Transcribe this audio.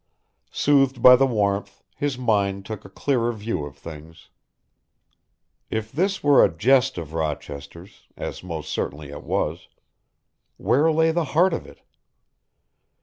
Soothed by the warmth his mind took a clearer view of things. If this were a jest of Rochester's, as most certainly it was, where lay the heart of it?